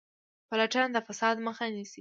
پلټنه د فساد مخه نیسي